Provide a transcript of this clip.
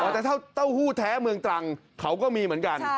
แต่ถ้าเต้าหู้แท้เมืองตรังเขาก็มีเหมือนกัน